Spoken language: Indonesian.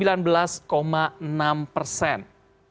lalu yang berikutnya